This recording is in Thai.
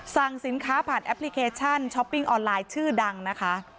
สั่งสินค้าผ่านแอปพลิเคชันช้อปปิ้งออนไลน์ชื่อดังนะคะ